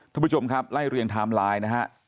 ท่านผู้ชมครับไล่เรียงไทม์ไลน์นะฮะ